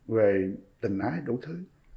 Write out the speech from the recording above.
về tình ái đủ thứ